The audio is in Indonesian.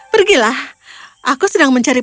pergilah aku sedang mencari